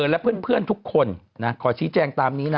และเพื่อนทุกคนขอชี้แจงตามนี้นะ